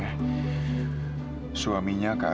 terus aba itu boleh bilang tempat baru sampai